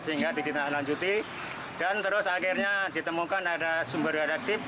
sehingga dikita lanjuti dan terus akhirnya ditemukan ada sumber radioaktif